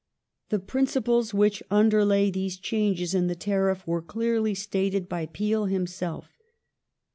The principles which under lay these changes in the tariff were clearly stated by Peel himself.